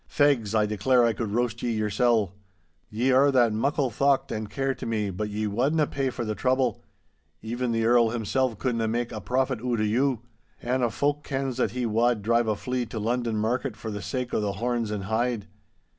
Fegs, I declare I could roast ye yoursel'. Ye are that muckle thocht and care to me, but ye wadna pay for the trouble. Even the Earl himsel' couldna mak' a profit oot o' you—an' a' folk kens that he wad drive a flea to London market for the sake o' the horns and hide!